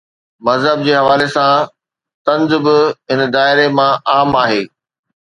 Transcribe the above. مذهب جي حوالي سان طنز به هن دائري ۾ عام آهي.